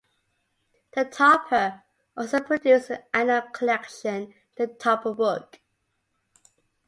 "The Topper" also produced an annual collection, "The Topper Book".